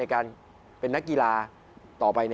การเป็นนักกีฬาต่อไป